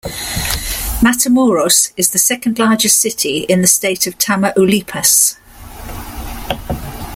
Matamoros is the second largest city in the state of Tamaulipas.